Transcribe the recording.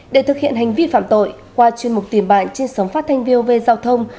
để thực hiện hành vi phạm tội qua chuyên mục tìm bạn trên sóng phát thanh vov giao thông